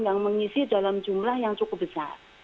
yang mengisi dalam jumlah yang cukup besar